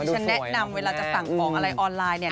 ฉันแนะนำเวลาจะสั่งของอะไรออนไลน์เนี่ย